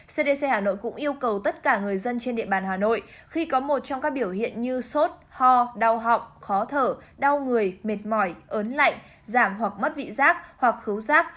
cdc hà nội cũng yêu cầu tất cả người dân trên địa bàn hà nội khi có một trong các biểu hiện như sốt ho đau họng khó thở đau người mệt mỏi ớn lạnh giảm hoặc mất vị giác hoặc cứu rác